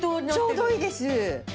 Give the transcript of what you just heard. ちょうどいいです。